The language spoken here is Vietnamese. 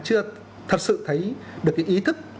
chưa thật sự thấy được cái ý thức